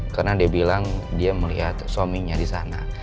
karena dia bilang dia melihat suaminya di sana